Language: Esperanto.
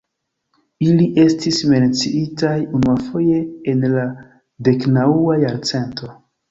Ili estis menciitaj unuafoje en la deknaŭa jarcento.